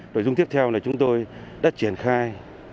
nội dung tiếp theo là chúng tôi đã triển khai